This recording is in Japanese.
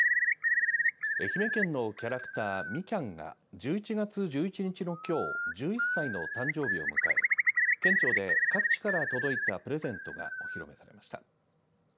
愛媛県のキャラクターみきゃんが１１月１１日のきょう１１歳の誕生日を迎え県庁で各地から届いたプレゼントがお披露目されました。